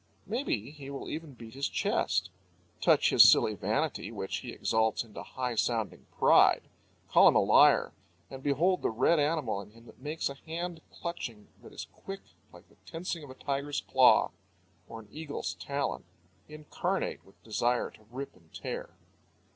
Maybe he will even beat his chest. Touch his silly vanity, which he exalts into high sounding pride call him a liar, and behold the red animal in him that makes a hand clutching that is quick like the tensing of a tiger's claw, or an eagle's talon, incarnate with desire to rip and tear.